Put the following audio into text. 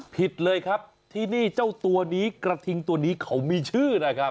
ผิดเลยครับที่นี่เจ้าตัวนี้กระทิงตัวนี้เขามีชื่อนะครับ